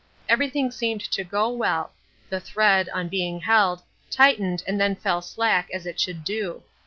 Everything seemed to go well, the thread, on being held, tightened and then fell slack as it should do.